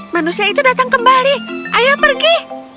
manusia itu datang kembali ayo pergi